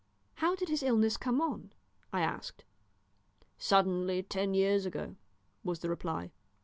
"How did his illness come on?" I asked. "Suddenly, ten years ago," was the reply.